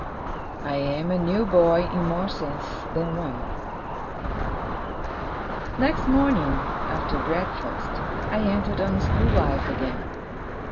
I AM A NEW BOY IN MORE SENSES THAN ONE Next morning, after breakfast, I entered on school life again.